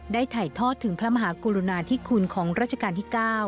ถ่ายทอดถึงพระมหากรุณาธิคุณของราชการที่๙